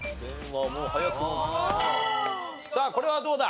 さあこれはどうだ？